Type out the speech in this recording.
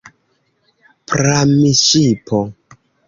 Pramŝipo!